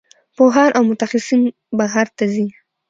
پوهان او متخصصین بهر ته ځي.